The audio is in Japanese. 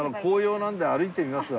なんで歩いてみますわ。